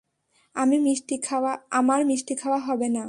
আমার মিষ্টি খাওয়া হবে না।